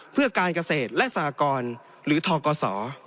เพื่อการเกษตรและสหกรหรือทกศ